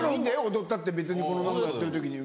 踊ったって別にこの番組やってる時に。